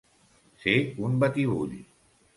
Ser un batibull.